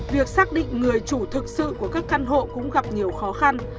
việc xác định người chủ thực sự của các căn hộ cũng gặp nhiều khó khăn